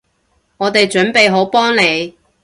我哋準備好幫你